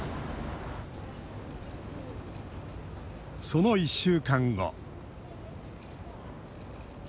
その１週間後。